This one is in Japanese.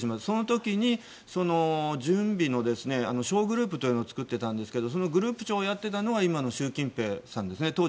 その時に準備の小グループというのを作っていたんですけどそのグループ長をやっていたのが今の習近平さんでしたね。